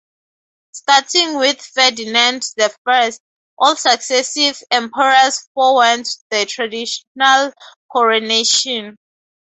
Starting with Ferdinand the First, all successive Emperors forwent the traditional coronation.